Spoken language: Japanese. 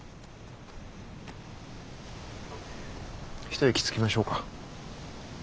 一息つきましょうか。